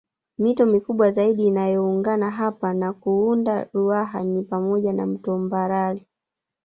Mito mikubwa zaidi inayoungana hapa na kuunda Ruaha ni pamoja na mto Mbarali